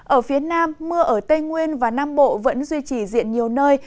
ở phía nam mưa ở tây nguyên và nam bộ vẫn duy trì diện nhiều nơi